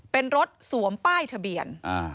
เป็นรถสวมป้ายทะเบียน